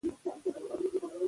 ولسونه قیمت ورکوي.